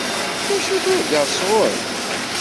D acu turǧaḍ sɣuṛ-i?